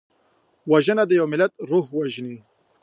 وژنه د یو ملت روح وژني